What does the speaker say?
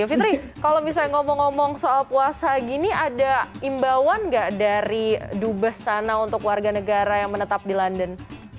fitri kalau misalnya ngomong ngomong soal puasa gini ada imbauan nggak dari dubes sana untuk warga negara yang menetap di london